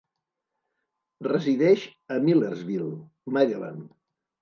Resideix a Millersville, Maryland.